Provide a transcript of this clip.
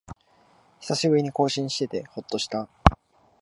久しぶりに更新しててほっとした